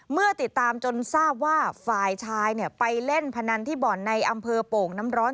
เมื่อติดตามจนทราบว่าฝ่ายชายไปเล่นพนันที่บ่อนในอำเภอโป่งน้ำร้อน